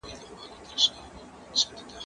که کوم عرب زموږ دغروهوسۍ نیولې ده